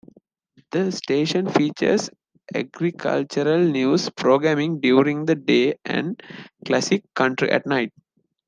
The station features agricultural news programming during the day and classic country at night.